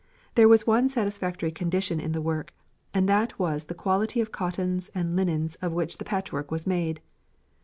There was one satisfactory condition in the work, and that was the quality of cottons and linens of which the patchwork was made.